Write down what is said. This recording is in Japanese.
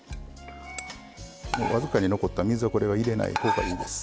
僅かに残った水はこれは入れない方がいいです。